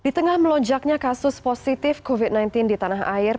di tengah melonjaknya kasus positif covid sembilan belas di tanah air